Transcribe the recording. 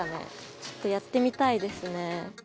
ちょっとやってみたいですね。